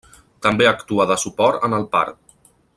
També actua de suport en el part.